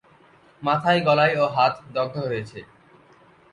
মাথায়, গলায় ও হাত দগ্ধ হয়েছে।